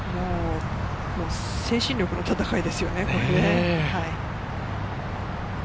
精神力の戦いですよね。